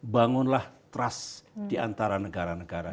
bangunlah trust diantara negara negara